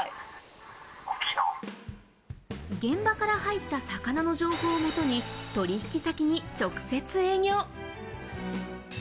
現場から入った魚の情報をもとに、取引先に直接営業。